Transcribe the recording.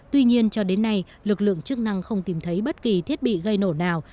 tuy nhiên cho đến nay lực lượng chức năng không tìm thấy bất kỳ thiết bị gây nổ nào